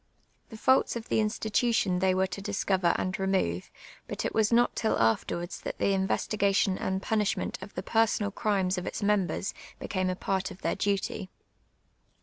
The faults of the institution they HISTORY OF THE IMrEKIAL CKAMBER. 459 n'erc to discover and remove, but it was not till afterwards ;liat the investigation and ])uni8hnient of the personal crimes )f its members became a part of their duty.